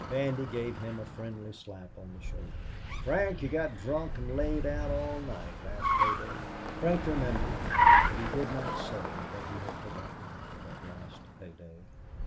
Bandy gave him a friendly slap on the shoulder. "Frank, you got drunk an' laid out all night, last payday." Frank remembered, but he did not say what he had forgotten that last pay day.